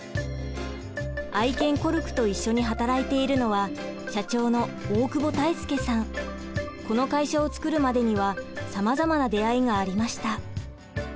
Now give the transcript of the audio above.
愛犬コルクと一緒に働いているのは社長のこの会社を作るまでにはさまざまな出会いがありました。